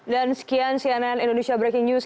dan sekian cnn indonesia breaking news